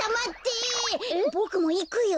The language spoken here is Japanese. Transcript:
ボクもいくよ。